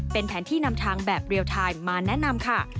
เป็นแผนที่นำทางแบบเรียลไทยมาแนะนำค่ะ